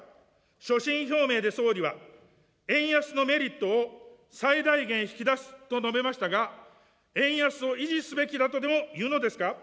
所信表明で総理は、円安のメリットを最大限引き出すと述べましたが、円安を維持すべきだとでもいうのですか。